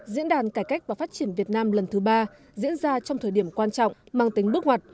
diễn đàn cải cách và phát triển việt nam lần thứ ba diễn ra trong thời điểm quan trọng mang tính bước ngoặt